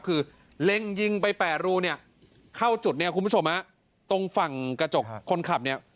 คือเล็งยิงไปแปดรูเนี่ยเข้าจุดตรงฝั่งกระจกคนขับเนี่ย